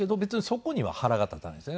そこには腹が立たないんですよね。